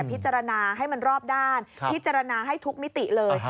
พิจารณาให้มันรอบด้านพิจารณาให้ทุกมิติเลย